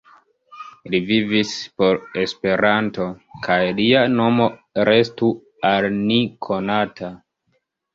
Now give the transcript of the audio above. Li vivis por Esperanto, kaj lia nomo restu al ni konata!